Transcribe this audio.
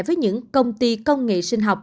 với những công ty công nghệ sinh học